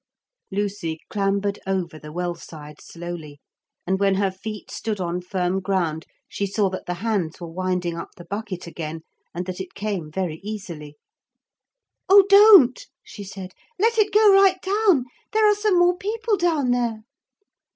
Lucy clambered over the well side slowly, and when her feet stood on firm ground she saw that the hands were winding up the bucket again, and that it came very easily. 'Oh, don't!' she said. 'Let it go right down! There are some more people down there.'